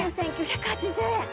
９９８０円。